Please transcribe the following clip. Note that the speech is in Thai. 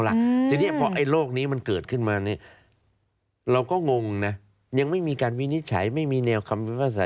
เราก็งงนะ